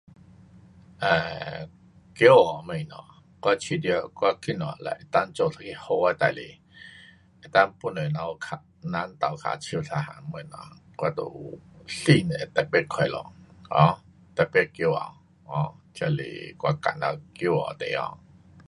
呃，我觉得我今天若能够做一个骄傲的事情，能够帮助人较，人倒脚手一样东西，我就有心会特别快乐。um 特别骄傲 um 这是我感到骄傲的地方。